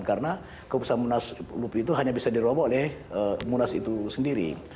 karena kebesaran munaslu itu hanya bisa diroboh oleh munas itu sendiri